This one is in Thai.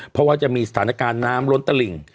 เพราะว่าจะมีสถานการณ์น้ำล้นตลิ่ง